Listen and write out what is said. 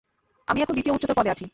আমি এখন দ্বিতীয় উচ্চতর পদে আছি!